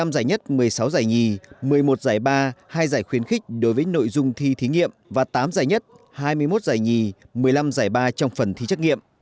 năm giải nhất một mươi sáu giải nhì một mươi một giải ba hai giải khuyến khích đối với nội dung thi thí nghiệm và tám giải nhất hai mươi một giải nhì một mươi năm giải ba trong phần thi trắc nghiệm